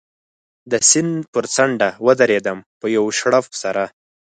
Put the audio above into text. د سیند پر څنډه و درېدم، په یوه شړپ سره.